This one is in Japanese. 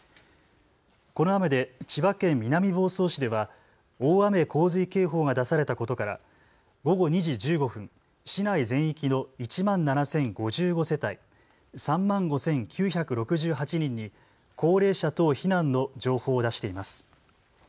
この雨で千葉県南房総市では大雨洪水警報が出されたことから午後２時１５分、市内全域の１万７０５５世帯、３万５９６８人に高齢者等避難の情報を出しています。